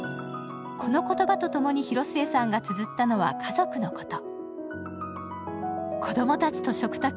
この言葉と共に広末さんがつづったのは家族のこと。